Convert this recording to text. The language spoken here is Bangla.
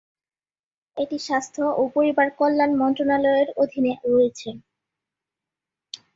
এটি স্বাস্থ্য ও পরিবার কল্যাণ মন্ত্রণালয়ের অধীনে রয়েছে।